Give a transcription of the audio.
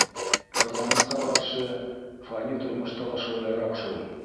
Ҡыҙғанысҡа ҡаршы, фани тормошта ла шулайыраҡ шул.